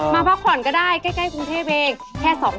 มาพักผ่อนก็ได้ใกล้กรุงเทพเมีย์แค่๒๓๙โอ๊ย